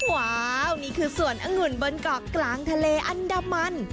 ว้าวนี่คือสวนองุ่นบนเกาะกลางทะเลอันดามัน